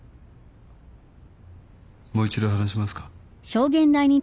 もう一度話しますか？